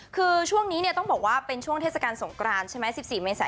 คือช่วงนี้เนี่ยต้องบอกว่าเป็นช่วงเทศกาลสงกรานใช่ไหม๑๔เมษา